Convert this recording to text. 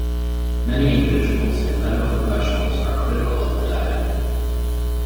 Many individuals and medical professionals are critical of the diet.